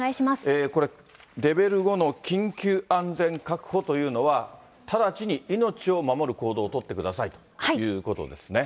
これ、レベル５の緊急安全確保というのは、直ちに命を守る行動を取ってくださいということですね。